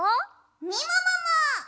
みももも！